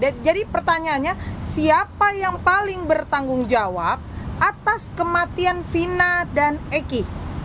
ya jadi pertanyaannya siapa yang paling bertanggung jawab atas kematian vina dan eki